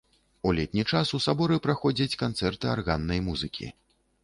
У летні час у саборы праходзяць канцэрты арганнай музыкі.